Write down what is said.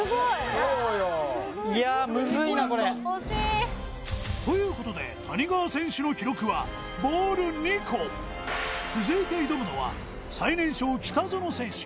そうよいや・惜しい！ということで谷川選手の記録はボール２個続いて挑むのは最年少北園選手